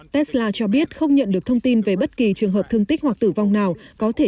tesla cho biết không nhận được thông tin về bất kỳ trường hợp thương tích hoặc tử vong nào có thể